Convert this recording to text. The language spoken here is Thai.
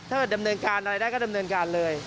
ดำเนินการอะไรได้ก็ดำเนินการเลย